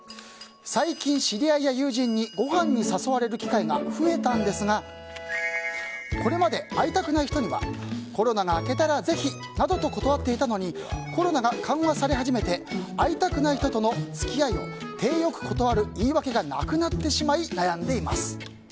最近、知り合いや友人にごはんに誘われる機会が増えたんですがこれまで、会いたくない人にはコロナが明けたらぜひなどと断っていたのにコロナが緩和され始めて会いたくない人との付き合いを体よく断る言い訳がなくなってしまい悩んでいます。